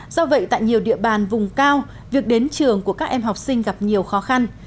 do vậy tại nhiều địa bàn vùng cao việc đến trường của các em học sinh gặp nhiều khó khăn